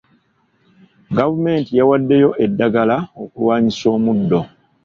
Gavumenti yawaddeyo eddagala okulwanyisa omuddo.